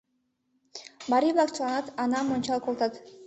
Марий-влак чыланат Анам ончал колтат.